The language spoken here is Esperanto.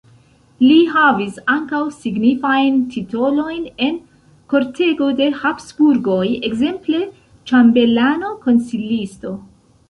Li havis ankaŭ signifajn titolojn en kortego de Habsburgoj, ekzemple ĉambelano, konsilisto.